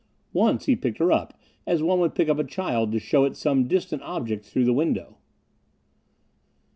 Once he picked her up as one would pick up a child to show it some distant object through the window.